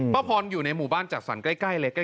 ป้าพรอยู่ในหมู่บ้านจักษรใกล้เลย